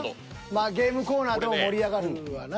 まあゲームコーナーでも盛り上がるわな。